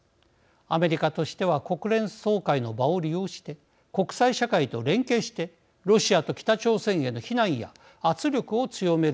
アメリカとしては国連総会の場を利用して国際社会と連携してロシアと北朝鮮への非難や圧力を強めるものと思います。